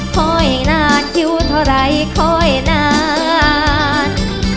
ค่อยนานคิวเท่าไรค่อยนาน